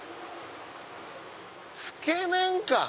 つけ麺か！